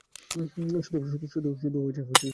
শুধু ভাবছিলাম আরকি।